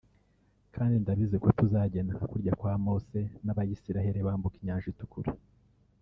kandi ndabizi ko tuzagenda nka kurya kwa Mose n’abayisiraheli bambuka inyanja itukura